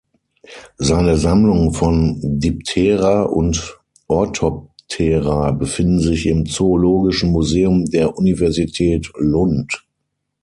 Seine Sammlung von Diptera und Orthoptera befinden sich im Zoologischen Museum der Universität Lund.